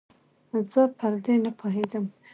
زه پر دې نپوهېدم